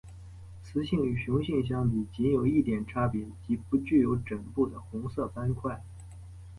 雌性与雄性相比近有一点差别即不具有枕部的红色斑块。